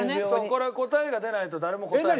これは答えが出ないと誰も答えない。